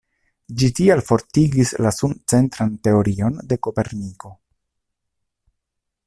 Ĝi tial fortigis la sun-centran teorion de Koperniko.